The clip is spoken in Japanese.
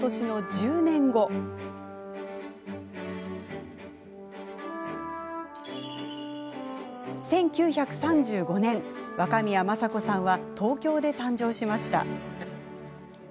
１９３５年、若宮正子さんは東京で誕生しました。